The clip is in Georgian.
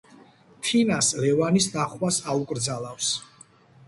თინას ლევანის ნახვას აუკრძალავს.